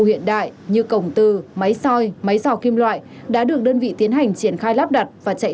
hiện đại như cổng từ máy soi máy dò kim loại đã được đơn vị tiến hành triển khai lắp đặt và chạy